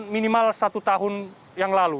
minimal satu tahun yang lalu